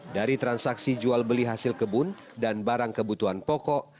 dari transaksi jual beli hasil kebun dan barang kebutuhan pokok